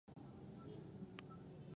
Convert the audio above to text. هرات د افغانانو د ګټورتیا برخه ده.